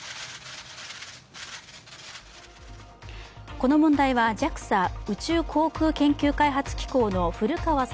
この問題はＪＡＸＡ＝宇宙航空研究開発機構の古川聡